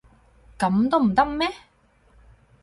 噉都唔得咩？